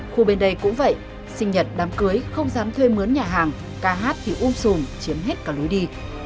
khu bên đây cũng vậy sinh nhật đám cưới không dám thuê mướn nhà hàng ca hát thì um sùm chiếm hết cả lối đi